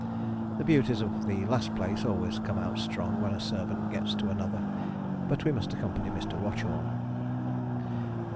The beauties of the last place always come out strong when a servant gets to another. But we must accompany Mr. Watchorn.